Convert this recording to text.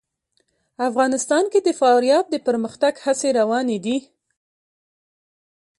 افغانستان کې د فاریاب د پرمختګ هڅې روانې دي.